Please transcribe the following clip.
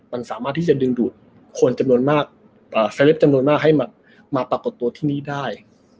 มันสามารถที่จะดึงดูดคนจำนวนมากเซเลปจำนวนมากให้มาปรากฏตัวที่นี่ได้